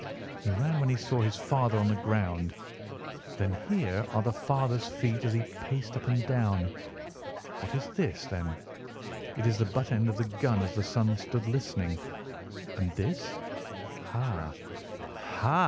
He ran when he saw his father on the ground. Then here are the father's feet as he paced up and down. What is this, then? It is the butt end of the gun as the son stood listening. And this? Ha, ha!